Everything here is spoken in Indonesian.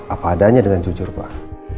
apa adanya dengan jujur pak